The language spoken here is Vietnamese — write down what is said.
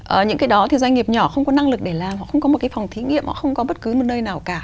ở những cái đó thì doanh nghiệp nhỏ không có năng lực để làm họ không có một cái phòng thí nghiệm họ không có bất cứ một nơi nào cả